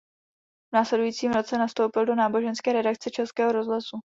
V následujícím roce nastoupil do náboženské redakce Českého rozhlasu.